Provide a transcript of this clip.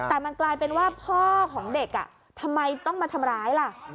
แต่มันกลายเป็นว่าพ่อของเด็กทำไมต้องมาทำร้ายล่ะ